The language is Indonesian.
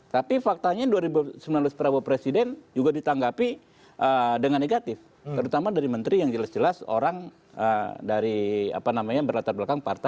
tapi faktanya dua ribu sembilan belas prabowo presiden juga ditanggapi dengan negatif terutama dari menteri yang jelas jelas orang dari apa namanya berlatar belakang partai